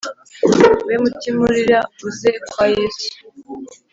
We mutima urira uze kwa Yesu